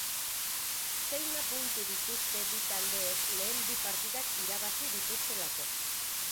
Seina puntu dituzte bi taldeek lehen bi partidak irabazi dituztelako.